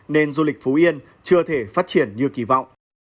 nên du lịch phú yên chưa thể phát triển như kỳ vọng